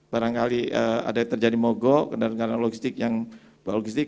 barangkali ada yang terjadi mogok kendaraan kendaraan logistik yang berlogistik